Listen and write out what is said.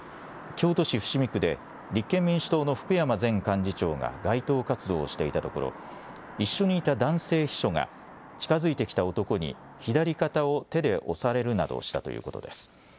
京都市伏見区で立憲民主党の福山前幹事長が街頭活動をしていたところ一緒にいた男性秘書が近づいてきた男に左肩を手で押されるなどしたということです。